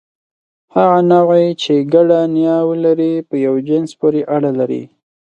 هغه نوعې، چې ګډه نیا ولري، په یوه جنس پورې اړه لري.